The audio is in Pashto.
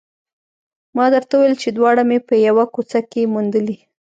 ما درته وویل چې دواړه مې په یوه کوڅه کې موندلي